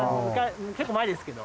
結構前ですけど。